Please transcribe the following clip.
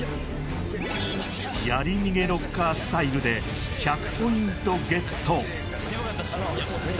やり逃げロッカースタイルで１００ポイントゲット！